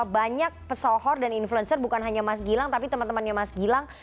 banyak pesohor dan influencer bukan hanya mas gilang tapi teman temannya mas gilang